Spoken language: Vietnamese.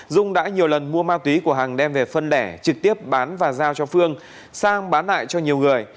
dung đã nhiều lần mua ma túy của hằng đem về phân lẻ trực tiếp bán và giao cho phương sang bán lại cho nhiều người